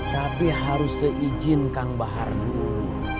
tapi harus seizin kang bahar dulu